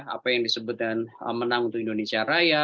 apa yang disebut dengan menang untuk indonesia raya